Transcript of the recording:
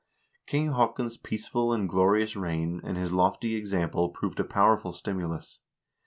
King Haakon's peaceful and glorious reign and his lofty example proved a powerful stimulus.